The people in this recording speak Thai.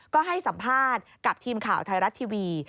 ก็ให้สัมภาษณ์กับทีมข่าวไทยรัฐทีวี